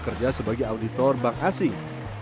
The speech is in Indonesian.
bekerja sebagai auditor bank asing